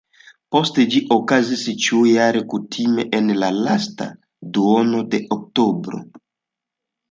Poste ĝi okazis ĉiujare, kutime en la lasta duono de oktobro.